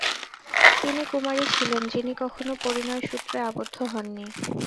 তিনি কুমারী ছিলেন, যিনি কখনো পরিণয়সূত্রে আবদ্ধ হননি।